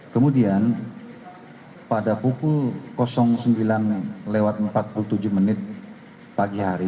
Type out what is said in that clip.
kemudian pada pukul sembilan empat puluh tujuh pagi hari